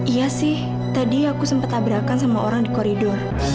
iya sih tadi aku sempat tabrakan sama orang di koridor